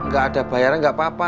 gak ada bayaran nggak apa apa